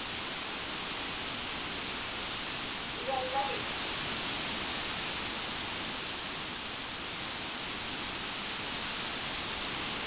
Igallavich?